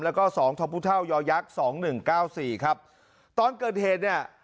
แล้วก็สองทพูเท่ายอยักษ์สองหนึ่งเก้าสี่ครับตอนเกิดเหตุเนี่ย